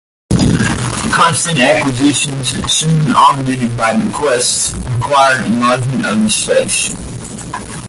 Constant acquisitions, soon augmented by bequests, required enlargement of the space.